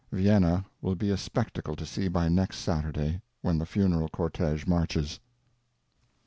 Vienna will be a spectacle to see by next Saturday, when the funeral cortege marches."